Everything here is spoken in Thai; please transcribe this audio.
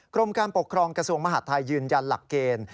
กรมการปกครองกระทรวงมหาดไทยยืนยันหลักเกณฑ์